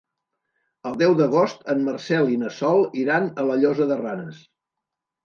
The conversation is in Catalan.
El deu d'agost en Marcel i na Sol iran a la Llosa de Ranes.